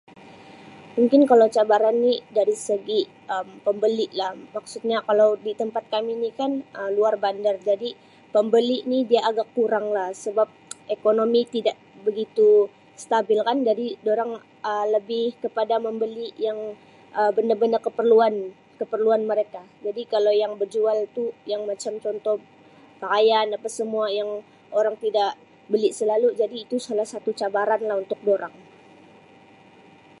Mungkin kalau cabaran ni dari segi Um pembeli lah maksudnya kalau di tempat kami ni kan Um luar bandar jadi pembeli ni dia agak kuranglah sebab ekonomi tidak begitu stabil kan jadi dorang Um lebih kepada membeli yang Um benda-benda keperluan Um keperluan mereka jadi kalau yang bejual tu yang macam contoh pakaian apa semua yang orang tidak beli selalu itu salah satu cabaran lah untuk dorang.